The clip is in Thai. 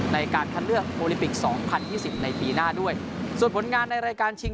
ในการคัดเลือกโอลิมปิกสองพันยี่สิบในปีหน้าด้วยส่วนผลงานในรายการชิง